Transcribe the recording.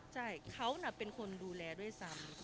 ใช่เขาน่ะเป็นคนดูแลด้วยซ้ำ